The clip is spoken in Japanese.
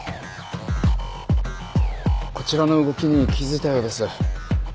こちらの動きに気付いたようです。